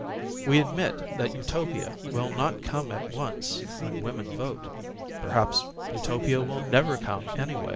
We admit that Utopia wiil not come at once when women vote. Perhaps Utopia will never come anyway.